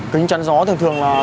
kính chắn gió thường thường là